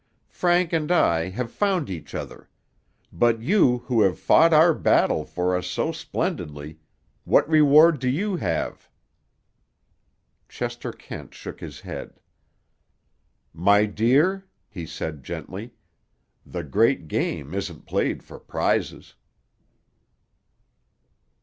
"Frank and I have found each other. But you, who have fought our battle for us so splendidly, what reward do you have?" Chester Kent shook his head. "My dear," he said gently, "the great game isn't played for prizes."